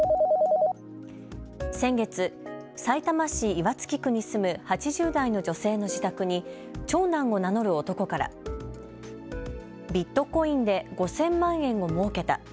先月、さいたま市岩槻区に住む８０代の女性の自宅に長男を名乗る男からビットコインで５０００万円をもうけた。